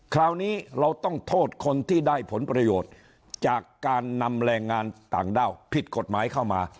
คราวนี้เราต้องโทษคนที่ได้ผลประโยชน์จากการนำแรงงานต่างด้าวผิดกฎหมายเข้ามา